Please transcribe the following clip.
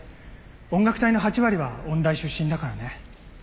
音楽隊の８割は音大出身だからね。